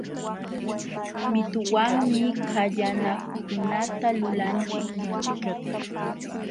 Mituwanmi kallanakunata lulanchik